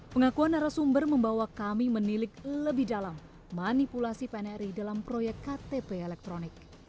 pengakuan narasumber membawa kami menilik lebih dalam manipulasi pnri dalam proyek ktp elektronik